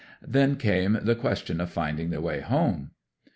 Then came the question of finding their way home.